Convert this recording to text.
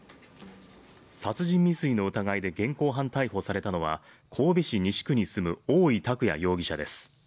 殺人未遂の疑いで現行犯逮捕されたのは神戸市西区に住む大井拓弥容疑者です。